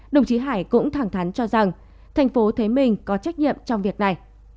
đồng chí hải cũng thẳng thắn cho rằng thành phố thấy mình có trách nhiệm trong việc này